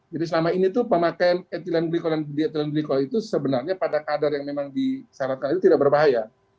jadi selama ini tuh pemakaian etilen glikol dan di etilen glikol itu sebenarnya pada kadar yang memang disyaratkan itu tidak berbahaya